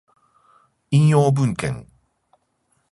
引用文献